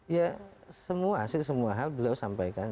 ya semua sih semua hal beliau sampaikan